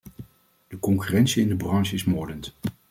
De concurrentie in de branche is moordend.